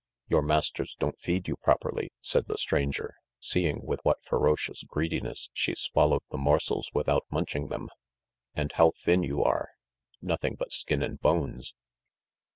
"Your masters don't feed you properly," said the stranger, seeing with what ferocious greediness she swallowed the morsels without munching them. "And how thin you are! Nothing but skin and bones.